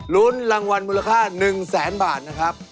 ลุ้นรางวัลมูลค่า๑แสนบาทนะครับ